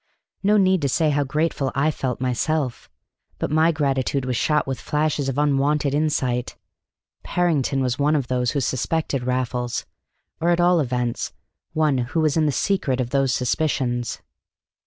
No need to say how grateful I felt myself. But my gratitude was shot with flashes of unwonted insight. Parrington was one of those who suspected Raffles, or, at all events, one who was in the secret of those suspicions.